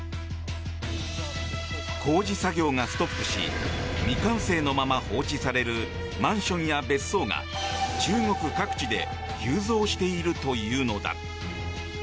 工事作業がストップし未完成のまま放置されるマンションや別荘が中国各地で急増しているというのだ。